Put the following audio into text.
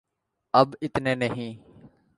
اب اتنے نہیں۔